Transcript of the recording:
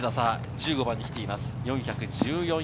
１５番に来ています。